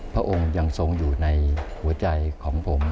พระองค์ยังทรงอยู่ในหัวใจของผม